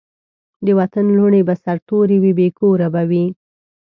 د وطن لوڼي به سرتوري وي بې کوره به وي